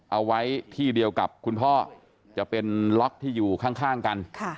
เอาไว้ที่เดียวกับคุณพ่อจะเป็นล็อกที่อยู่ข้างกัน